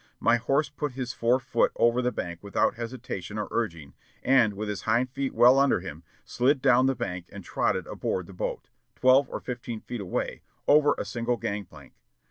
My horse put his fore feet over the bank without hesitation or urging, and, with his hind feet well under him, slid down the bank and trotted aboard the boat, twelve or fifteen feet away, over a single gangplank.